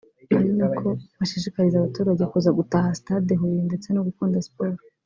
ari na ko bashishikariza abaturage kuza gutaha sitade Huye ndetse no gukunda siporo